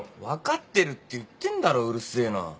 分かってるって言ってんだろうるせえな。